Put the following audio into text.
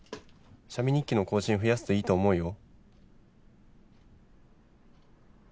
写メ日記の更新増やすと良いと思うよ」。